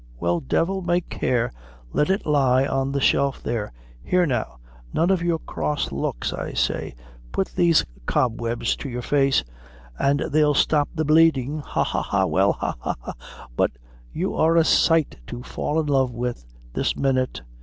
Well, devil may care! let it lie on the shelf there. Here now none of your cross looks, I say put these cobwebs to your face, an' they'll stop the bleedin'. Ha, ha, ha! well ha, ha, ha! but you are a sight to fall in love wid this minute!"